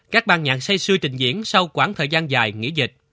các ban nhạc say sư trình diễn sau quãng thời gian dài nghỉ dịch